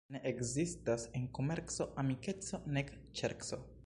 Ne ekzistas en komerco amikeco nek ŝerco.